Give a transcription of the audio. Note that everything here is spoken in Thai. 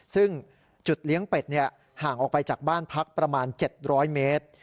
ซึ่งจุดเลี้ยงเป็ดห่างออกไปจากบ้านพักประมาณ๗๐๐เมตร